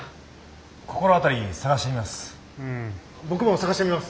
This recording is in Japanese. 心当たり探してみます。